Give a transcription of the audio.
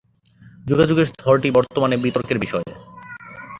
যোগাযোগের স্তরটি বর্তমানে বিতর্কের বিষয়।